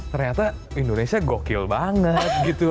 ternyata indonesia gokill banget gitu